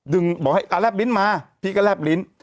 บอกให้แลบลิ้นมาพี่ก็แลบลิ้น